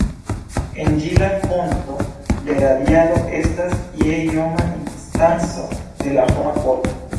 En ĝi la fonto de radiado estas je ioma distanco de la homa korpo.